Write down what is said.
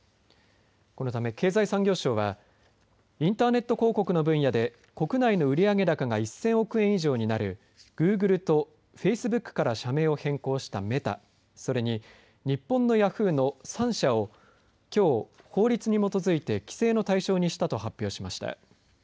このため経済産業省はインターネット広告の分野で国内の売上高が１０００億円以上になるグーグルとフェイスブックから社名を変更したメタそれに、日本のヤフーの３社をきょう、法律に基づいて規制の対象にしたと発表しました。